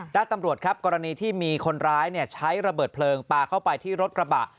ตำรวจครับกรณีที่มีคนร้ายใช้ระเบิดเพลิงปลาเข้าไปที่รถกระบะ